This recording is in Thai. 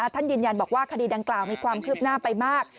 ท่านยืนยันบอกว่าคดีดังกล่าวมีความคืบหน้าไปมาก